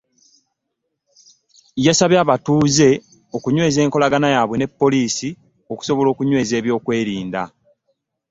Yasabye abatuuze okunyweza enkolagana yaabwe ne poliisi okusobola okunyweza eby'okwerinda.